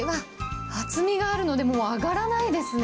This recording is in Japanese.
厚みがあるので、もう上がらないですね。